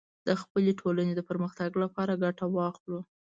د خپلې ټولنې د پرمختګ لپاره ګټه واخلو